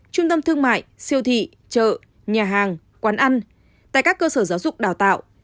trung tâm thương mại siêu thị chợ nhà hàng quán ăn tại các cơ sở giáo dục đào tạo